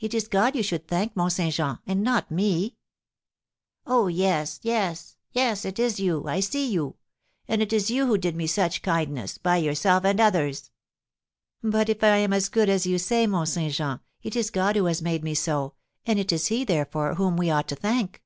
"It is God you should thank, Mont Saint Jean, and not me." "Yes, yes, yes, it is you, I see you; and it is you who did me such kindness, by yourself and others." "But if I am as good as you say, Mont Saint Jean, it is God who has made me so, and it is he, therefore, whom we ought to thank."